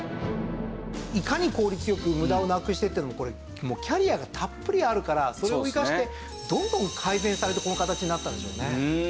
いかに効率よく無駄をなくしてっていうのもこれキャリアがたっぷりあるからそれを生かしてどんどん改善されてこの形になったんでしょうね。